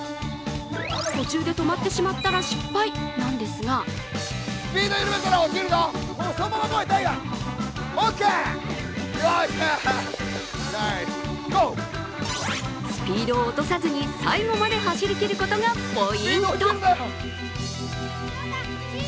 途中で止まってしまったら失敗なんですがスピードを落とさずに最後まで走りきることがポイント。